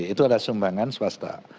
itu adalah sumbangan swasta